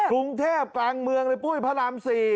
กรุงเทพกลางเมืองเลยปุ้ยพระราม๔